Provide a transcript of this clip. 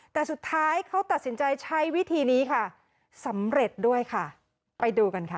แต่สุดท้ายเขาตัดสินใจใช้วิธีนี้ค่ะสำเร็จด้วยค่ะไปดูกันค่ะ